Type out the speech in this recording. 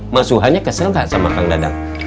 mas suha nya kesel gak sama kang dadah